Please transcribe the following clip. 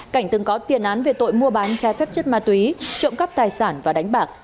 cảnh từng có tiền án về tội mua bán trái phép chất ma túy trộm cắp tài sản và đánh bạc